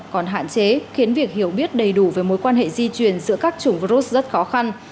còn hạn chế khiến việc hiểu biết đầy đủ về mối quan hệ di truyền giữa các chủng virus rất khó khăn